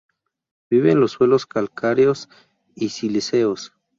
Vive en suelos calcáreos y silíceos.